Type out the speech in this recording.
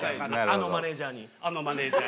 あのマネージャーに。